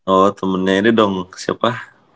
oh temennya ini dong siapa